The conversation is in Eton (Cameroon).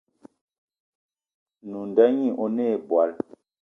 Nwǐ nda ɲî oné̂ ìbwal